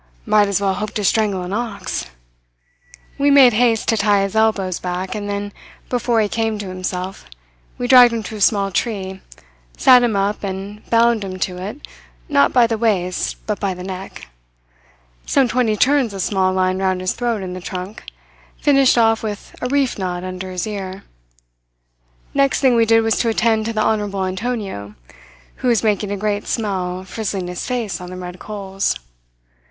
"Might as well hope to strangle an ox. We made haste to tie his elbows back, and then, before he came to himself, we dragged him to a small tree, sat him up, and bound him to it, not by the waist but by the neck some twenty turns of small line round his throat and the trunk, finished off with a reef knot under his ear. Next thing we did was to attend to the honourable Antonio, who was making a great smell frizzling his face on the red coals.